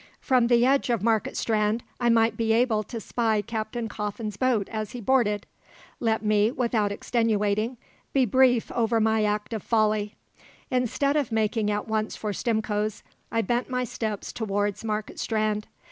From the edge of Market Strand I might be able to spy Captain Coffin's boat as he boarded. Let me, without extenuating, be brief over my act of folly. Instead of making at once for Stimcoe's, I bent my steps towards Market Strand.